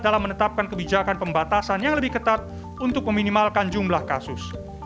dalam menetapkan kebijakan pembatasan yang lebih ketat untuk meminimalkan jumlah kasus